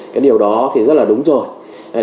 cái điều đó thì rất là đúng rồi